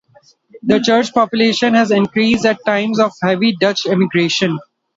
The church population has increased at times of heavy Dutch immigration.